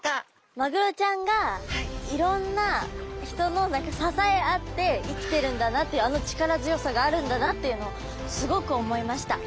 マグロちゃんがいろんな人の支え合って生きてるんだなっていうあの力強さがあるんだなっていうのをすごく思いました。